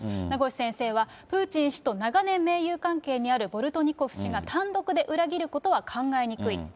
名越氏はプーチン氏と長年盟友関係にあるボルトニコフ氏が単独で裏切ることは考えにくい。